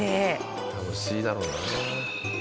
楽しいだろうな。